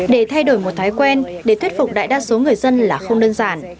để thay đổi một thói quen để thuyết phục đại đa số người dân là không đơn giản